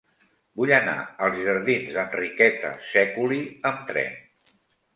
Vull anar als jardins d'Enriqueta Sèculi amb tren.